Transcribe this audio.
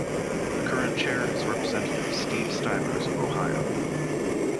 The current chair is Representative Steve Stivers of Ohio.